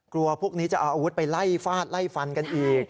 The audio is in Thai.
พวกนี้จะเอาอาวุธไปไล่ฟาดไล่ฟันกันอีก